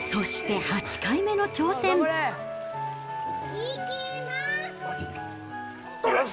いきます。